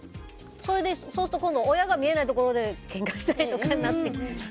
そうすると今度親が見えないところでケンカしたりとかになって。